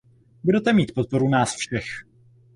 Budete mít podporu nás všech.